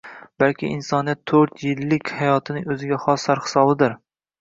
Balki insoniyat to‘rt yillik hayotining o‘ziga xos sarhisobidir.